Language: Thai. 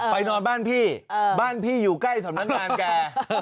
นอนบ้านพี่บ้านพี่อยู่ใกล้สำนักงานแก